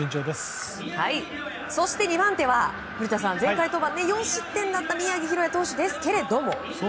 そして２番手は、前回登板で４失点だった宮城大弥投手ですけれども。